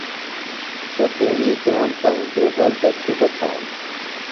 سوۡ تیݨی کرام ٹائم ٹیبل دڇھیۡ بہ تھانوۡ۔